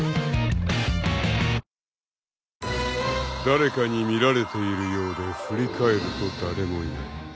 誰かに見られているようで振り返ると誰もいない。